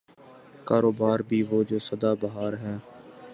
کاروبار بھی وہ جو صدا بہار ہے۔